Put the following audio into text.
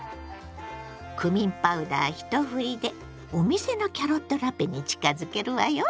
クミンパウダー一振りでお店のキャロットラペに近づけるわよ！